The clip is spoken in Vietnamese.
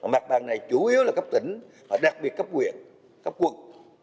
mặt bằng này chủ yếu là cấp tỉnh và đặc biệt cấp quyền cấp quận